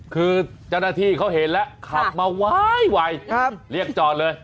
คือเจ้าหน้าที่เขาเห็นแล้วขับมาไวเรียกจอดเลย